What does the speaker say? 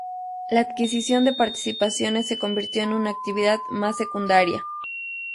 La adquisición de participaciones se convirtió en una actividad más secundaria.